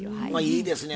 いいですね